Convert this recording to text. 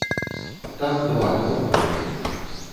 Там два альбома было.